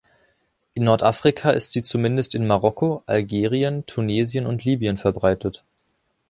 In Nordafrika ist sie zumindest in Marokko, Algerien, Tunesien und Libyen verbreitet.